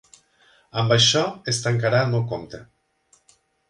Amb això es tancarà el meu compte.